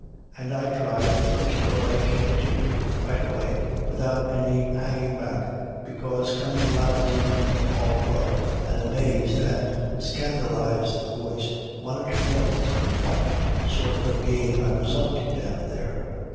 And I tried the first door I came to, right away, without any hanging back, because coming loudly from the hall above an amazed and scandalized voice wanted to know what sort of game I was up to down there.